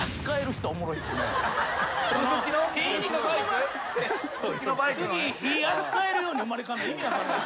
すごい。火扱えるように生まれ変わるの意味分かんない。